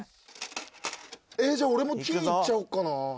じゃあ俺も金いっちゃおうかな。